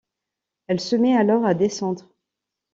Elle se met alors à descendre.